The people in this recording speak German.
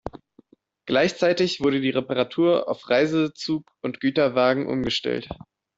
Gleichzeitig wurde die Reparatur auf Reisezug- und Güterwagen umgestellt.